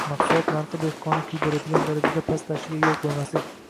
mahsulot narxi dehqonni kuydiradigan darajada pastlashiga yo‘l qo‘ymaslik